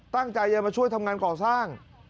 ตั้งใจจะมาช่วยทำงานก่อสร้าง